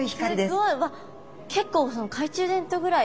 わっ結構懐中電灯ぐらい。